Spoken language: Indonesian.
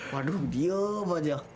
waduh diem aja